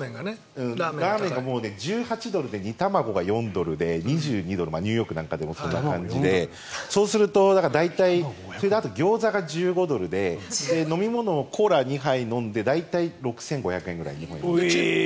ラーメンが１８ドルで煮卵が４ドルで２２ドルニューヨークなんかだとそういう感じであと、ギョーザが１５ドルで飲み物、コーラ２杯飲んで大体６５００円ぐらい日本円で。